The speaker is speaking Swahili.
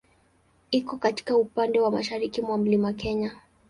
Iko katika upande wa mashariki mwa Mlima Kenya.